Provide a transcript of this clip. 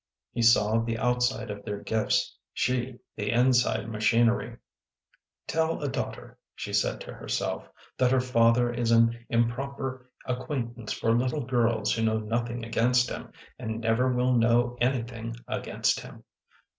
He saw the outside of their gifts, she, the inside machinery. " Tell a daughter," she said to herself, " that her father is an improper acquaintance for little girls who know nothing against him and never will know anything against him!